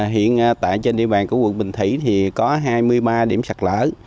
hiện tại trên địa bàn của quận bình thủy thì có hai mươi ba điểm sạt lở